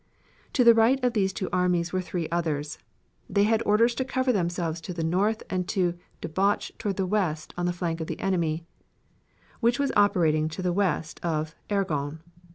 To the right of these two armies were three others. They had orders to cover themselves to the north and to debouch toward the west on the flank of the enemy, which was operating to the west of the Argonne.